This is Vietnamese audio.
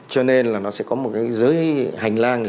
cho nên là nó sẽ có một cái giới hành lang